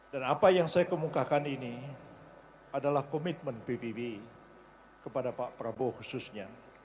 dan apa yang saya kemukakan ini adalah komitmen pbb kepada pak prabowo khususnya